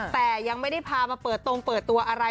แต่ยังไม่ได้พามาเปิดตรงเปิดตัวอะไร